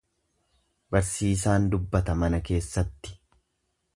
Barsiisaan dubbata mana keessatti.